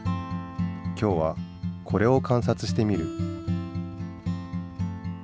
今日はこれを観察してみる。